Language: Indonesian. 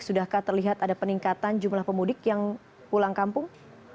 sudahkah terlihat ada peningkatan jumlah pemudik yang pulang kampung